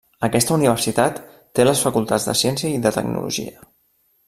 Aquesta universitat té les facultats de ciència i de tecnologia.